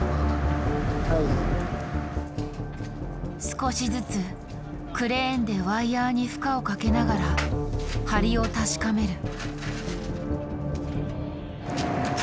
少しずつクレーンでワイヤーに負荷をかけながら張りを確かめる。